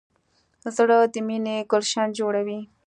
زړه د مینې ګلشن جوړوي.